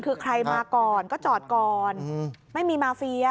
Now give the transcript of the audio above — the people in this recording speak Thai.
คือใครมาก่อนก็จอดก่อนไม่มีมาเฟีย